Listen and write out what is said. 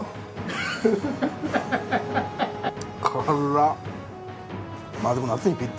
辛っ！